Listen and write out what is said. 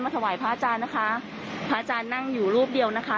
สวัสดีครับ